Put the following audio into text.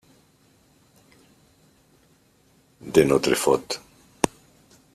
De notre faute.